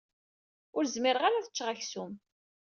Ur zmireɣ ara ad ččeɣ aksum.